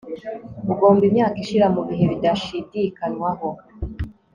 Ugomba imyaka ishira mubihe bidashidikanywaho